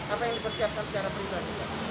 apa yang dipersiapkan secara pribadi